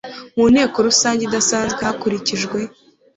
mu nteko rusange idasanzwe hakurikijwe